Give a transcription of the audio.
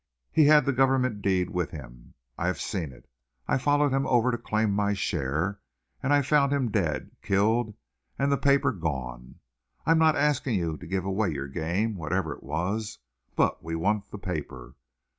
He had the government deed with him. I have seen it. I followed him over to claim my share, and I found him dead, killed, and the paper gone. I am not asking you to give away your game, whatever it was, but we want the paper.